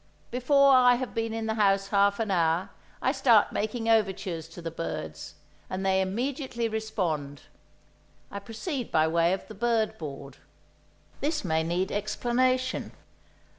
Before I have been in the house half an hour, I start making overtures to the birds, and they immediately respond. I proceed by way of the bird board. This may need explanation.